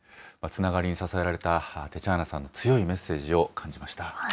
つながりに支えられたテチャーナさんの強いメッセージを感じまし